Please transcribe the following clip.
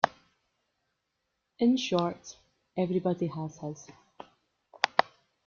In short, everybody has his.